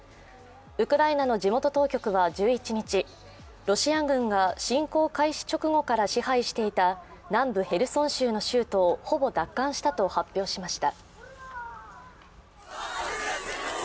ウクライナの地元当局は１１日、ロシア軍が侵攻開始直後から支配していた南部ヘルソン州の州都をほぼ奪還したと話しました。